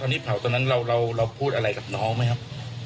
ตอนนี้เผาตอนนั้นเราพูดอะไรกับน้องไหมครับ